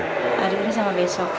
hari ini sama besok